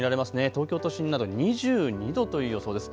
東京都心など２２度という予想です。